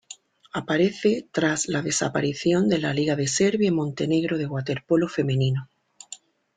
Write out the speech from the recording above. Aparece tras la desaparición de la Liga de Serbia y Montenegro de waterpolo femenino.